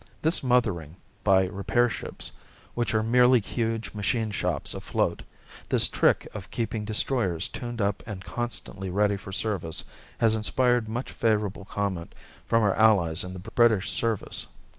This "mothering" by repair ships which are merely huge machine shops afloat this trick of keeping destroyers tuned up and constantly ready for service has inspired much favourable comment from our allies in the British service.